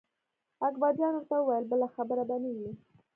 اکبر جان ورته وویل بله خبره به نه وي.